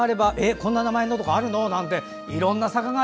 こんな名前のところあるの？なんて。